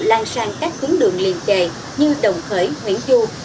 lan sang các tuyến đường liền kề như đồng khởi nguyễn du